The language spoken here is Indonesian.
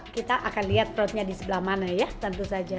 kita akan lihat perutnya di sebelah mana ya tentu saja